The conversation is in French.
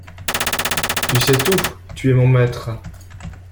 Tu sais tout, tu es mon maître...